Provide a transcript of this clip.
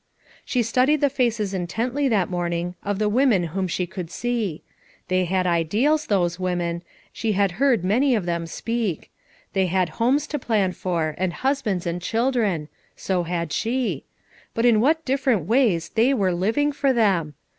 She 304 FOUR MOTHERS AT CHAUTAUQUA studied the faces intently that morning of the women whom she could see; they had ideals, those women, she had heard many of them speak; they had homes to plan for, and hus bands and children, so had she; but in what different ways they were living for them